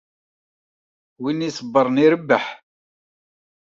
Win i iṣebbren irebbeḥ.